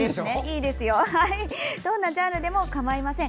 どんなジャンルでもかまいません。